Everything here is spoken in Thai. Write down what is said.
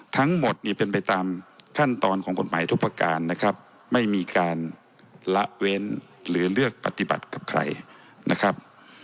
ทั้งหมดนี่เป็นไปตามขั้นตอนของกฎหมายทุกประการนะครับไม่มีการละเว้นหรือเลือกปฏิบัติกับใครนะครับ